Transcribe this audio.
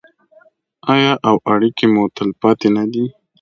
آیا او اړیکې مو تلپاتې نه دي؟